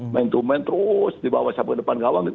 main to main terus di bawah sampai depan gawang